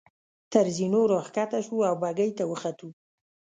تر زینو را کښته شوو او بګۍ ته وختو.